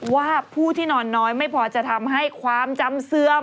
ว่าผู้ที่นอนน้อยไม่พอจะทำให้ความจำเสื่อม